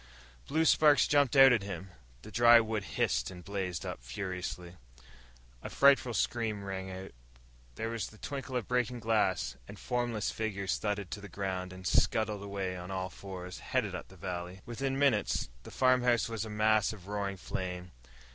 Blue sparks jumped out at him. The dry wood hissed and blazed up furiously. A frightful scream rang out. There was the tinkle of breaking glass. Formless figures thudded to the ground and scuttled away on all fours, headed up the valley. Within minutes the farmhouse was a mass of roaring flame.